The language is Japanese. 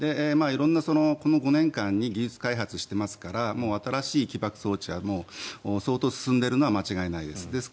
色んな、この５年間に技術開発をしてますから新しい起爆装置が相当進んでいるのは間違いないです。